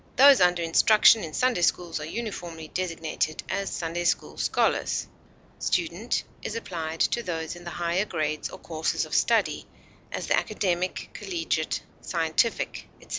Those under instruction in Sunday schools are uniformly designated as Sunday school scholars. Student is applied to those in the higher grades or courses of study, as the academic, collegiate, scientific, etc.